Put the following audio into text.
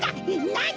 なに？